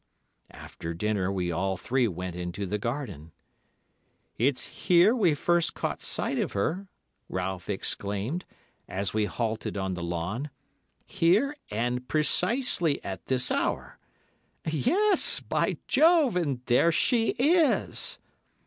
"After dinner we all three went into the garden. "'It's here we first caught sight of her,' Ralph exclaimed, as we halted on the lawn, 'here, and precisely at this hour. Yes—by Jove!—and there she is!